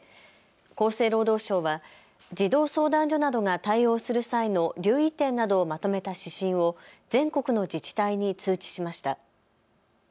厚生労働省は児童相談所などが対応する際の留意点などをまとめた指針を全国の自治体に通知しました。